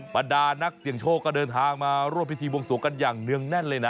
บรรดานักเสี่ยงโชคก็เดินทางมาร่วมพิธีบวงสวงกันอย่างเนื่องแน่นเลยนะ